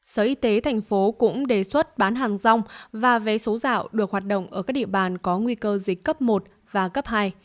sở y tế thành phố cũng đề xuất bán hàng rong và vé số dạo được hoạt động ở các địa bàn có nguy cơ dịch cấp một và cấp hai